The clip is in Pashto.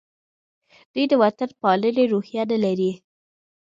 دوی د وطن پالنې روحیه نه لري.